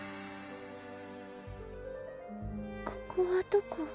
ここはどこ？